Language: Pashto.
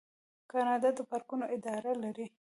کاناډا د پارکونو اداره لري.